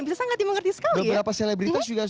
bisa sangat dimengerti sekali ya